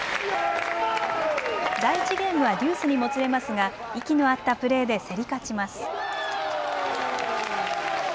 第１ゲームはデュースにもつれますが息の合ったプレーで競り勝ちます。